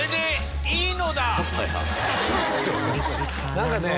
何かね